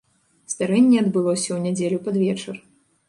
Здарэнне адбылося ў нядзелю пад вечар.